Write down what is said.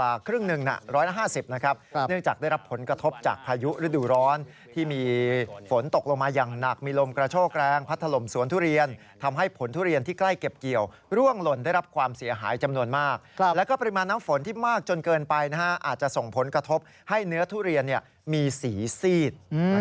อาจจะส่งผลกระทบให้เนื้อทุเรียนมีศรีซีด